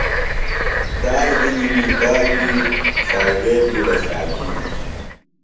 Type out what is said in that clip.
ٹال ہِنیۡ می کاکی، فائدے بِیڈہ شاکی